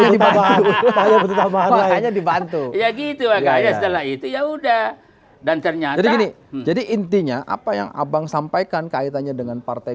dibantu ya gitu ya udah dan ternyata jadi intinya apa yang abang sampaikan kaitannya dengan partai